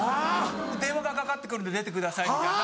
「電話がかかってくるので出てください」みたいな。